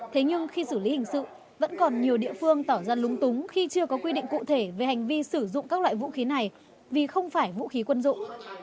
thế nhưng khi xử lý hình sự vẫn còn nhiều địa phương tỏ ra lúng túng khi chưa có quy định cụ thể về hành vi sử dụng các loại vũ khí này vì không phải vũ khí quân dụng